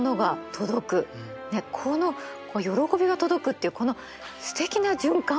この喜びが届くっていうこのすてきな循環。